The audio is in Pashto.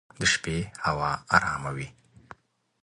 د شپې هوا ارامه وي.